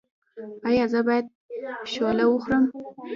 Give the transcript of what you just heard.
ایا زه باید شوله وخورم؟